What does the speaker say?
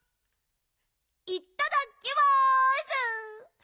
いっただきます！